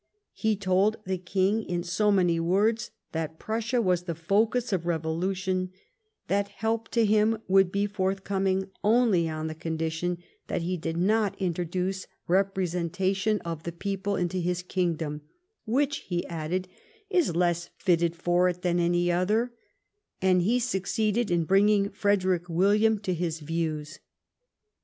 He told the King, in so many words, that Prussia was the focus of revolution ; that help to him would be forthcoming only on the condition that he did not introduce representation 150 LIFE OF PBINCE METTEBNICH. of the people into his kingdom, " which," he added, " is less fitted for it than any otlier," and he succeeded in brino in"" Frederick William to his views.